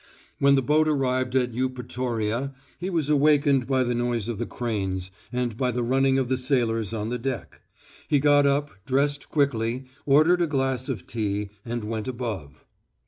When the boat arrived at Eupatoria he was awakened by the noise of the cranes and by the running of the sailors on the deck. He got up, dressed quickly, ordered a glass of tea, and went above.